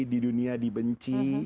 di dunia dibenci